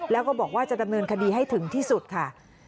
แล้วก็บอกว่าจะดำเนินคดีให้ถึงที่สุดค่ะ